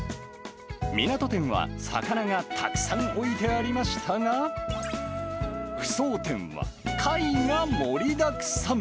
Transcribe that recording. みなと店は魚がたくさん置いてありましたが、扶桑店は貝が盛りだくさん。